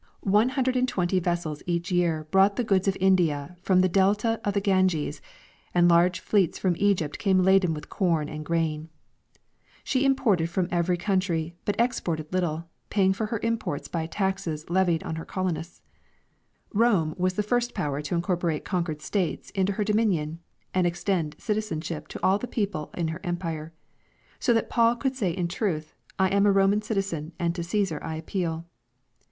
One hundred and twenty vessels each The Rise and Fall of Rome. 3 year brought the goods of India from the delta of the Ganges, and large fleets from Egypt came laden with corn and grain She imported from every country, but exported little, paying for her imports by taxes levied on her colonists. A. D. 200. Rome was the first power to incorporate conquered states into her dominion and extend citizenship to all the people in her empire; so that Paul could say in truth, '' I am a Roman citizen and to Ccesar I appeal."